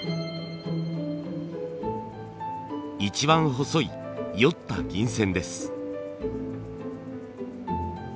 一番細いよった銀線です。